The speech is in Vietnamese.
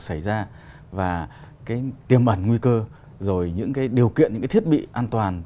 xảy ra và tiêm ẩn nguy cơ rồi những điều kiện những thiết bị an toàn